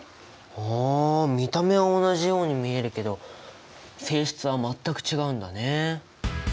あ見た目は同じように見えるけど性質は全く違うんだね！